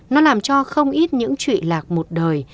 nó làm cho không ít những trụy lạc một đời